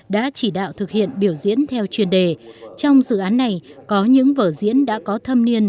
đã chỉ đạo thực hiện biểu diễn theo chuyên đề trong dự án này có những vở diễn đã có thâm niên